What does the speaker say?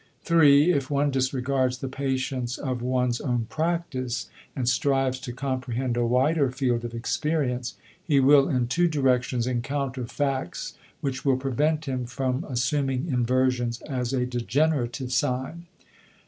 3. If one disregards the patients of one's own practice and strives to comprehend a wider field of experience, he will in two directions encounter facts which will prevent him from assuming inversions as a degenerative sign.